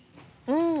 うん。